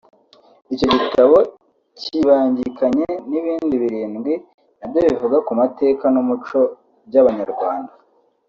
Icyo gitabo kibangikanye n’ibindi birindwi na byo bivuga ku mateka n’umuco by’abanyarwanda